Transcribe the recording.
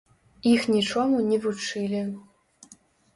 Іх нічому не вучылі.